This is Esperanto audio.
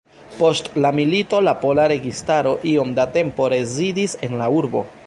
Post la milito la pola registaro iom da tempo rezidis en la urbo.